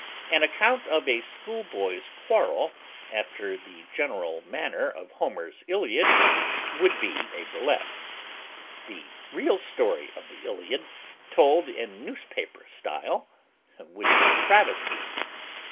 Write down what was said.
An account of a schoolboys' quarrel after the general manner of Homer's Iliad would be a burlesque; the real story of the Iliad told in newspaper style would be a travesty.